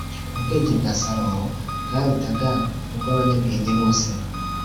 Ubwenge bwa Salomo bwarutaga ubw’abanyabwenge bose